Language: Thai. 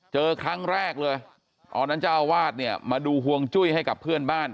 เจอครั้งแรกเลยตอนนั้นเจ้าอาวาสเนี่ยมาดูห่วงจุ้ยให้กับเพื่อนบ้าน